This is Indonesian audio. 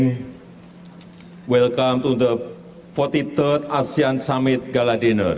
selamat datang di empat puluh tiga rd asian summit galadiner